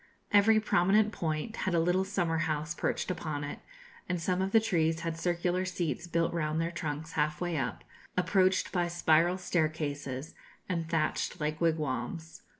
Every prominent point had a little summer house perched upon it, and some of the trees had circular seats built round their trunks half way up, approached by spiral staircases, and thatched like wigwams.